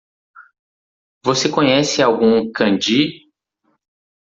Você conhece algum kanji?